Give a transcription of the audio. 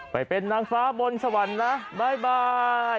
ไปเป็นนางฟ้าบนสวรรค์นะบ๊ายบาย